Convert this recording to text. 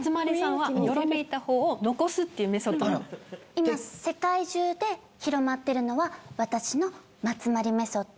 今世界中で広まってるのは私のまつまりメソッド。